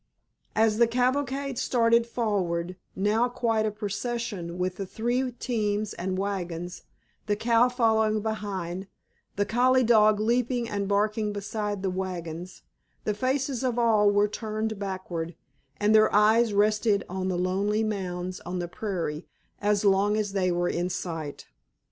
As the cavalcade started forward, now quite a procession with the three teams and wagons, the cow following behind, the collie dog leaping and barking beside the wagons, the faces of all were turned backward and their eyes rested on the lonely mounds on the prairie as long as they were in sight.